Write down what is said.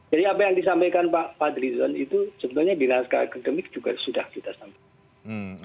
jadi apa yang disampaikan pak fadlizon itu sebenarnya di naskah akademik juga sudah kita sampaikan